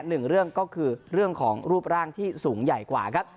หนึ่งเรื่องก็คือเรื่องของรูปร่างที่สูงใหญ่กว่าครับ